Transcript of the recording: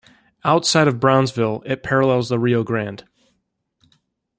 Outside of Brownsville, it parallels the Rio Grande.